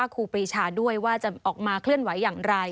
ครูปรีชาด้วยว่าจะออกมาเคลื่อนไหวอย่างไร